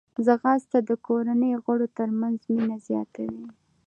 ځغاسته د کورنۍ غړو ترمنځ مینه زیاتوي